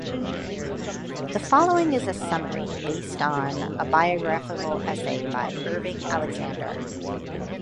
The following is a summary based on a biographical essay by Irving Alexander.